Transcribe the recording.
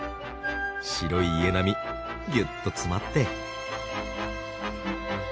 白い家並みぎゅっと詰まって。